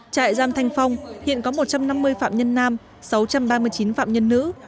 trại giam thanh phong hiện có một trăm năm mươi phạm nhân nam sáu trăm ba mươi chín phạm nhân nữ